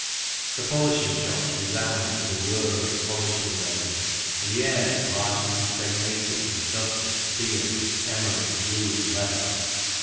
The polishing shops resound with the whir of the polishing lathes and the air is largely impregnated with dust of steel, emery, glue, and leather.